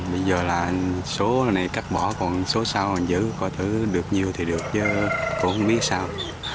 bây giờ là số này cắt bỏ còn số sau giữ có thứ được nhiều thì được chứ cũng không biết sao